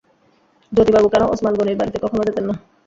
জ্যোতিবাবু কেন ওসমান গনির বাড়িতে কখনো যেতেন না?